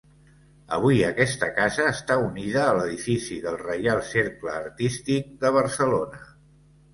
Avui aquesta casa està unida a l'edifici del Reial Cercle Artístic de Barcelona.